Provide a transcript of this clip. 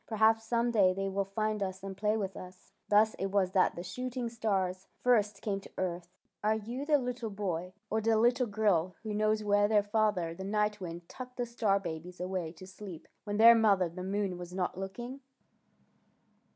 Perhaps some day they will find us and play with us! " Thus it was that the shooting stars first came to earth. Are you the little boy or the 178 THE SHOOTING STAR little girl who knows where their father the Night Wind tucked the star babies away to sleep, when their mother, the moon, was not looking?